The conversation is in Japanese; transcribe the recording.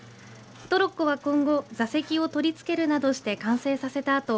トロッコは今後座席を取り付けるなどして完成させたあと